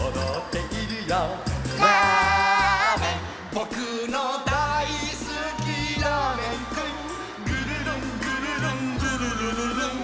「ぼくのだいすきラーメンくん」「ぐるるんぐるるんぐるるるるん」